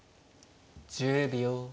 １０秒。